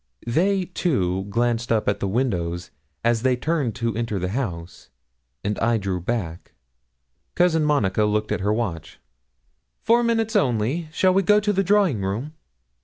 They, too, glanced up at the window as they turned to enter the house, and I drew back. Cousin Monica looked at her watch. 'Four minutes only. Shall we go to the drawing room?'